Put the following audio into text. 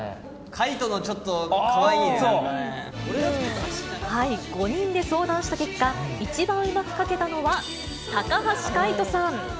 海人のちょっとかわいいね、５人で相談した結果、一番うまく描けたのは、高橋海人さん。